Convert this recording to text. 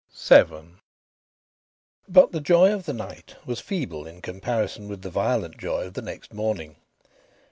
VII But the joy of the night was feeble in comparison with the violent joy of the next morning.